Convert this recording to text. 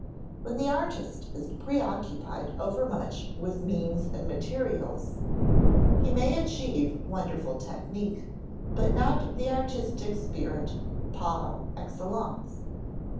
When the artist is preoccupied overmuch with means and materials, he may achieve wonderful technique, but not the artistic spirit par excellence.